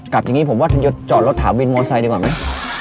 กลับจากนี้ผมว่าเธอจะจอดรถถาววินโมไซดีกว่าไหม